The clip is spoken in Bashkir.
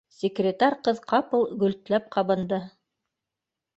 Секретарь ҡыҙ ҡапыл гөлтләп ҡабынды